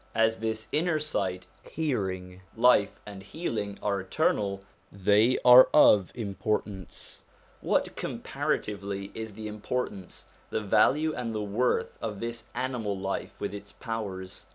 118 SOME ANSWERED QUESTIONS As this inner sight, hearing, life, and healing are eternal, they are of importance. What, comparatively, is the importance, the value, and the worth of this animal life with its powers?